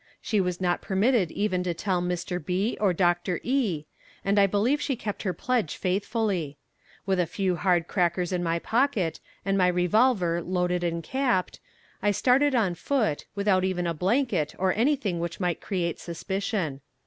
She was not permitted even to tell Mr. B. or Dr. E., and I believe she kept her pledge faithfully. With a few hard crackers in my pocket, and my revolver loaded and capped, I started on foot, without even a blanket or anything which might create suspicion.